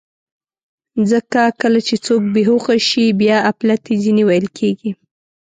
ځکه کله چې څوک بېهوښه شي، بیا اپلتې ځینې ویل کېږي.